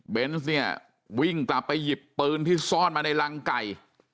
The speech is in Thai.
เนี่ยวิ่งกลับไปหยิบปืนที่ซ่อนมาในรังไก่